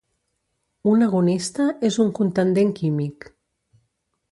Un agonista és un contendent químic.